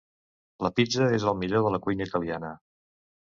La pizza és el millor de la cuina italiana.